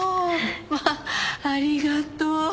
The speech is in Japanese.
まあありがとう。